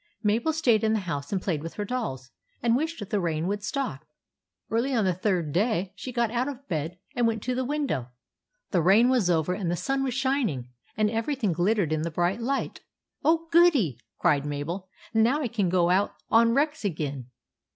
Mabel stayed in the house and played with her dolls, and wished the rain would stop. Early on the third THE FROGS AT THE BRIDGE 35 day she got out of bed and went to the window. The rain was over, and the sun was shining, and everything glittered in the bright light. " Oh, goody !" cried Mabel. " Now I can go out on Rex again